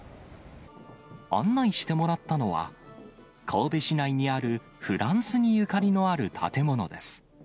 案内してもらったのは、神戸市内にある、フランスにゆかりのある建物です。